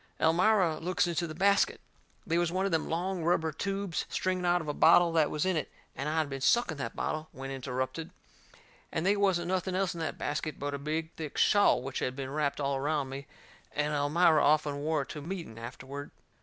Elmira looks into the basket. They was one of them long rubber tubes stringing out of a bottle that was in it, and I had been sucking that bottle when interrupted. And they wasn't nothing else in that basket but a big thick shawl which had been wrapped all around me, and Elmira often wore it to meeting afterward.